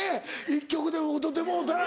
１曲でも歌ってもろうたら。